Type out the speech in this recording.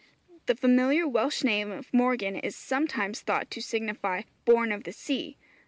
The familiar Welsh name of Morgan is sometimes thought to signify, 'Born of the Sea.'